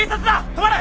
止まれ！